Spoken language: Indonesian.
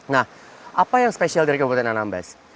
nah apa yang spesial dari kabupaten anambas